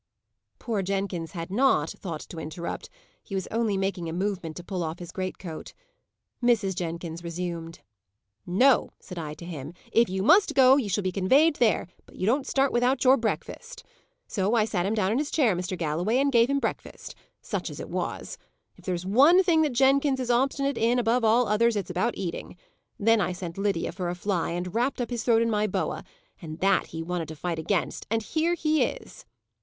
Poor Jenkins had not thought to interrupt; he was only making a movement to pull off his great coat. Mrs. Jenkins resumed: "'No,' said I to him; 'if you must go, you shall be conveyed there, but you don't start without your breakfast.' So I sat him down in his chair, Mr. Galloway, and gave him his breakfast such as it was! If there's one thing that Jenkins is obstinate in, above all others, it's about eating. Then I sent Lydia for a fly, and wrapped up his throat in my boa and that he wanted to fight against! and here he is!"